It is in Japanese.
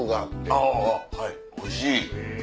あぁはいおいしい。